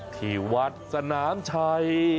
ที่วัดสนามชัย